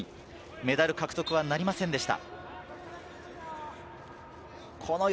メダル獲得はなりませんでした。